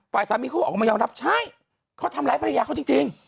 ฝ่ายสามีเขาก็ออกมายอมรับใช่เขาทำร้ายภรรยาเขาจริง